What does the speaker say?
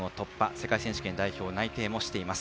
世界選手権代表内定もしています。